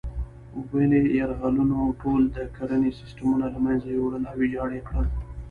ولې یرغلونو ټول د کرنې سیسټمونه له منځه یوړل او ویجاړ یې کړل.